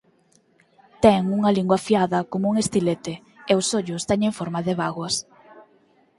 Ten unha lingua afiada como un estilete e os ollos teñen forma de bágoas.